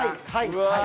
うわ。